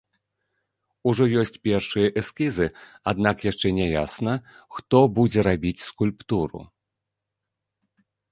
Ужо ёсць першыя эскізы, аднак яшчэ не ясна, хто будзе рабіць скульптуру.